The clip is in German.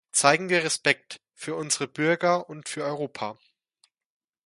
Zeigen wir Respekt für unsere Bürger und für Europa!